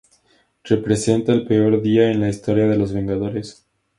Representa el peor día en la historia de los Vengadores.